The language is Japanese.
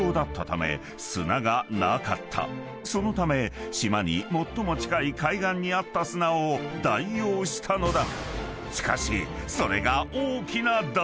［そのため島に最も近い海岸にあった砂を代用したのだ］